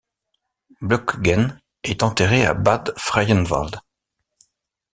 Blüthgen est enterré à Bad Freienwalde.